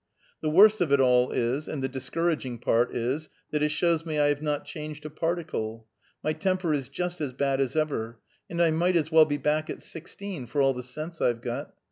The worst of it all is, and the discouraging part is, that it shows me I have not changed a particle. My temper is just us bad as ever, and I might as well be back at sixteen, for all the sense I've got.